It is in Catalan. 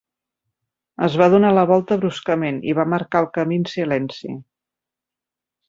Es va donar la volta bruscament, i va marcar el camí en silenci.